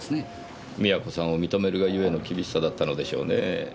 美和子さんを認めるがゆえの厳しさだったのでしょうねぇ。